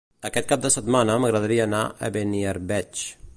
Aquest cap de setmana m'agradaria anar a Beniarbeig.